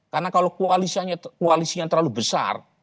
karena kalau koalisinya terlalu besar